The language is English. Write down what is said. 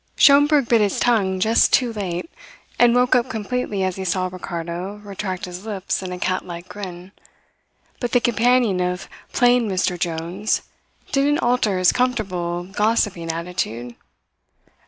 Schomberg bit his tongue just too late, and woke up completely as he saw Ricardo retract his lips in a cat like grin; but the companion of "plain Mr. Jones" didn't alter his comfortable, gossiping attitude.